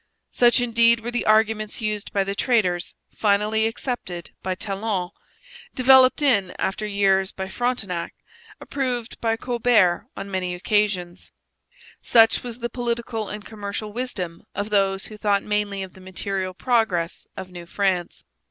Such indeed were the arguments used by the traders, finally accepted by Talon, developed in after years by Frontenac, approved by Colbert on many occasions; such was the political and commercial wisdom of those who thought mainly of the material progress of New France.